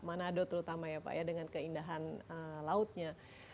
manado terutama ya pak ya dengan keindahan lautnya